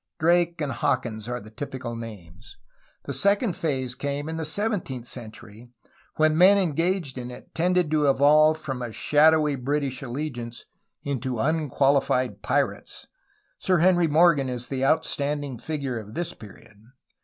> Drake and Hawkins are the typical names. The second phase came in the seventeenth century, when the men engaged in it tended to evolve from a shadowy British allegiance into unqualified pirates. Sir Henry Morgan is the outstanding figure of this period.